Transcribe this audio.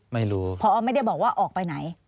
พอออกไม่ได้บอกว่าออกไปไหน